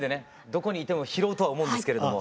どこにいても拾うとは思うんですけれども。